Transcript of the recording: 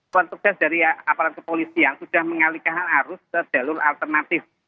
konteks dari aparatur polisi yang sudah mengalihkan arus ke jalur alternatif